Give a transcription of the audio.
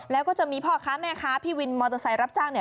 แล้วก็จะมีพ่อค้าแม่ค้าพี่วินมอเตอร์ไซค์รับจ้างเนี่ย